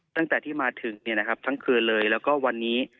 ตั้งแต่ที่มาถึงทั้งคืนเลยแล้วก็วันนี้